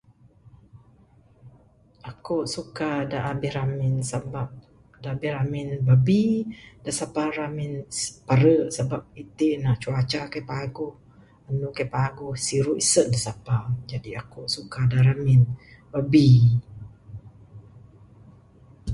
Akuk suka da abih ramin sebab da abih ramin babi. Da sapa ramin paru' sebab iti ne cuaca kaik paguh, andu kaik paguh, siru' esun da sapa. Jadi akuk suka da ramin, babi.